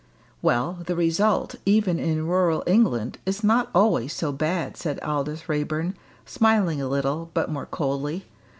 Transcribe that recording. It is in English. "Well, the result, even in rural England, is not always so bad," said Aldous Raeburn, smiling a little, but more coldly.